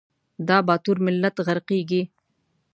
دا باتور ملت غرقیږي